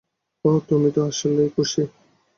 ওহ, তুমি তো আসলেই খুশি।